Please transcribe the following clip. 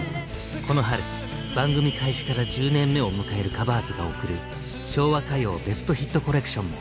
この春番組開始から１０年目を迎える「カバーズ」が贈る「昭和歌謡ベストヒットコレクション」も！